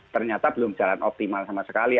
ternyata belum jalan optimal sama sekali